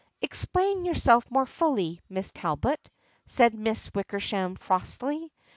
"Explain yourself more fully, Miss Talbot," said Miss Wickersham frostily.